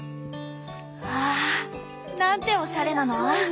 わあなんておしゃれなの！